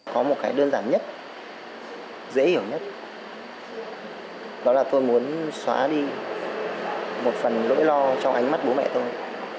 có một cái đơn giản nhất dễ hiểu nhất đó là tôi muốn xóa đi một phần nỗi lo cho ánh mắt bố mẹ tôi